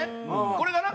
これがな